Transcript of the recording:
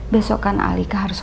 besok kan alika harus beritahu mama